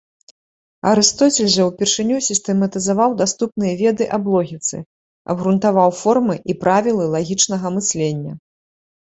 Арыстоцель жа ўпершыню сістэматызаваў даступныя веды аб логіцы, абгрунтаваў формы і правілы лагічнага мыслення.